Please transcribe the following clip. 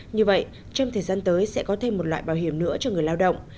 như vậy trong thời gian tới sẽ có thêm một loại bảo hiểm nữa cho người lao động